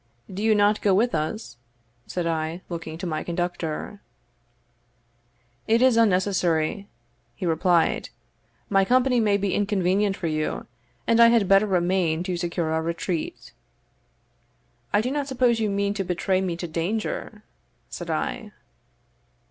"Do you not go with us?" said I, looking to my conductor. "It is unnecessary," he replied; "my company may be inconvenient for you, and I had better remain to secure our retreat." "I do not suppose you mean to betray me to danger," said I.